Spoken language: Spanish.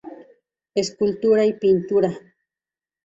Escultura y pintura.